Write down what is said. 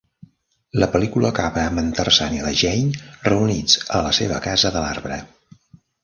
La pel·lícula acaba amb en Tarzan i la Jane reunits a la seva casa de l'arbre.